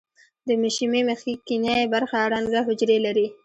د مشیمیې مخکینۍ برخه رنګه حجرې لري.